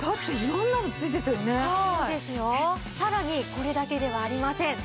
さらにこれだけではありません。